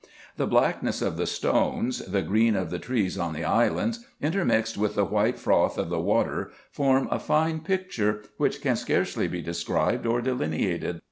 The black ness of the stones, the green of the trees on the islands, intermixed with the white froth of the water, form a fine picture, which can scarcely be described or delineated.